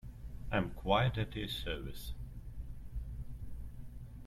I am quite at your service.